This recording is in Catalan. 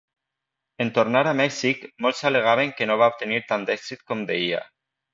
En tornar a Mèxic, molts al·legaven que no va obtenir tant d'èxit com deia.